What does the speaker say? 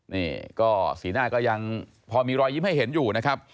นี่ก็สีหน้าก็ยังพอมีรอยยิ้มให้เห็นอยู่นะครับ